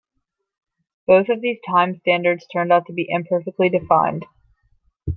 Both of these time standards turned out to be imperfectly defined.